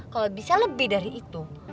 kalau bisa lebih dari itu